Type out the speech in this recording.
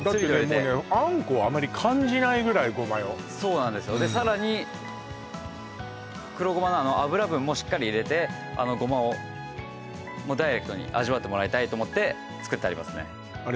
もうね餡子をあまり感じないぐらいゴマよそうなんですよでさらに黒ゴマの油分もしっかり入れてゴマをもうダイレクトに味わってもらいたいと思って作ってありますね